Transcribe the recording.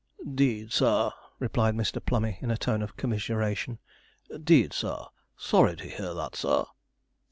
''Deed, sir,' replied Mr. Plummey, in a tone of commiseration ''deed, sir; sorry to hear that, sir.'